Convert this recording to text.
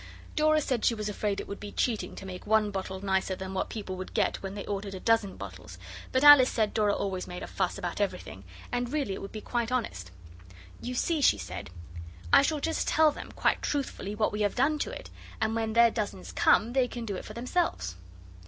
Dora said she was afraid it would be cheating to make one bottle nicer than what people would get when they ordered a dozen bottles, but Alice said Dora always made a fuss about everything, and really it would be quite honest. 'You see,' she said, 'I shall just tell them, quite truthfully, what we have done to it, and when their dozens come they can do it for themselves.